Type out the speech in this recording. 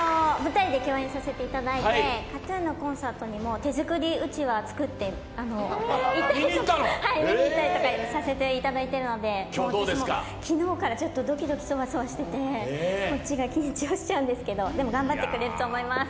２人で共演させていただいてＫＡＴ−ＴＵＮのコンサートにも手作りうちわを作って見に行ったり、させていただいてるので、今日も私も、昨日からドキドキソワソワしてしてこっちが緊張しちゃうんですけど、頑張ってくれると思います。